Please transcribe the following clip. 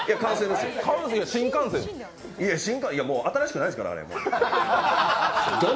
もう新しくないですから、もうあれ。